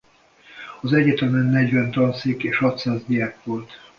Az egyetemen negyven tanszék és hatszáz diák volt.